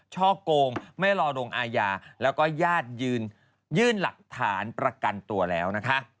ช่อกงไม่รอลงอาญาแล้วก็ญาติยื่นหลักฐานประกันตัวแล้วนะคะ